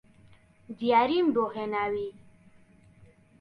دیاریم بۆ هێناوی